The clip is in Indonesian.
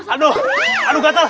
aduh aduh gatel